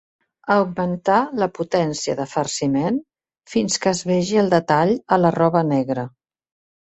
Augmentar la potència de farciment fins que es vegi el detall a la roba negra.